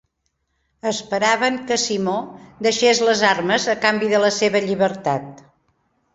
Esperaven que Simó deixés les armes a canvi de la seva llibertat.